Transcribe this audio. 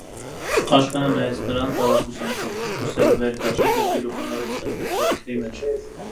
Աշխենը նայեց նրան տարակուսանքով, ուսերը վեր քաշեց և գլուխը նորից սեղմեց ձեռքերի մեջ: